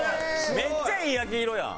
めっちゃいい焼き色やん。